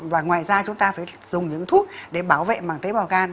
và ngoài ra chúng ta phải dùng những thuốc để bảo vệ bằng tế bào gan